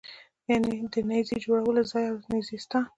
یعنې د نېزې جوړولو ځای او نېزه ستان.